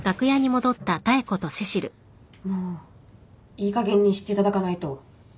もういいかげんにしていただかないと。